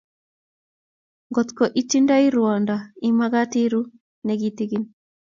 Ngot ko itindai rwando imakat iruu ne kitikin